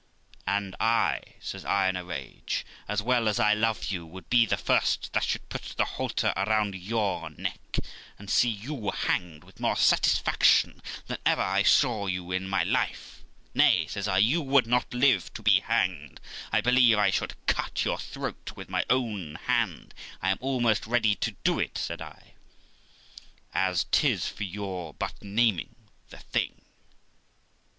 'And I', says I in a rage, 'as well as I love you, would be the first that should put the halter about your neck, and see you hanged with more satisfaction than ever I saw you in my life; nay', says I, 'you would not live to be hanged, I believe I should cut your throat with my own hand; I am almost ready to do it', said I, 'as 'tis, for your but naming the thing.'